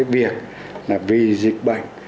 việc là vì dịch bệnh